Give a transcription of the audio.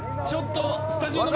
スタジオの方